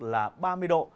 là ba mươi độ